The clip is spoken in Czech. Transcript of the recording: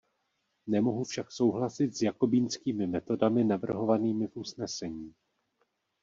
Nemohu však souhlasit s jakobínskými metodami navrhovanými v usnesení.